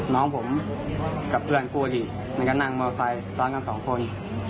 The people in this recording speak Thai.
น้องผมกับเพื่อนกลัวดีมันก็นั่งมอเตอร์ไซด์ซ้อนกันสองคน